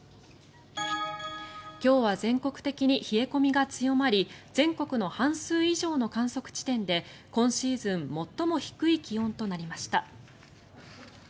今日は全国的に冷え込みが強まり全国の半数以上の観測地点で今シーズン最も低い気温となりました。